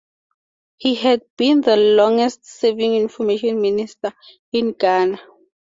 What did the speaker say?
He has been the longest serving Information Minister in Ghana.